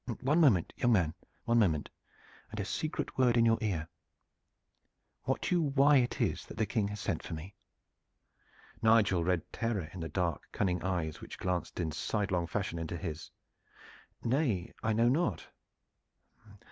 "One moment, young man, one moment, and a secret word in your ear. Wot you why it is that the King has sent for me?" Nigel read terror in the dark cunning eyes which glanced in sidelong fashion into his. "Nay, I know not."